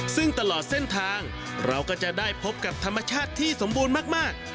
ซึ่งตลอดเส้นทางเราก็จะได้พบกับธรรมชาติที่สมบูรณ์มาก